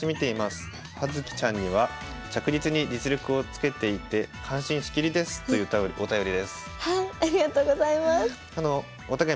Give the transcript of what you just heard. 葉月ちゃんには着実に実力をつけていって感心しきりです」というお便りです。